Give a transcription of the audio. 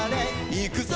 「いくぞ！